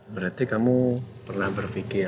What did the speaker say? berarti kamu pernah berpikir